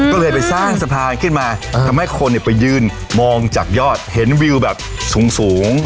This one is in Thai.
ก็เลยไปสร้างสะพานขึ้นมาทำให้คนไปยืนมองจากยอดเห็นวิวแบบสูง